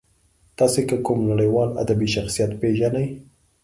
تاسې که کوم نړیوال ادبي شخصیت پېژنئ.